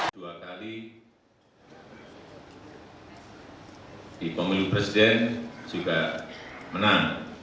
dua kali di pemilu presiden juga menang